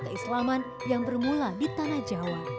keislaman yang bermula di tanah jawa